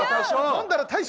「飲んだら大将」！